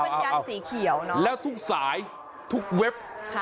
บ้านการสีเขียวเนอะแล้วทุกสายทุกเว็บ